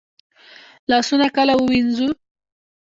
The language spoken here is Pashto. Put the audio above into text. لاسونه کله ووینځو؟